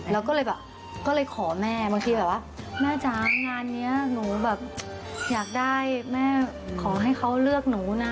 แล้วก็เลยแบบก็เลยขอแม่บางทีแบบว่าแม่จ๋างานนี้หนูแบบอยากได้แม่ขอให้เขาเลือกหนูนะ